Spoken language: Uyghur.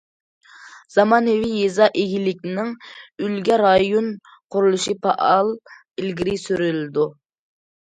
زامانىۋى يېزا ئىگىلىكىنىڭ ئۈلگە رايون قۇرۇلۇشى پائال ئىلگىرى سۈرۈلىدۇ.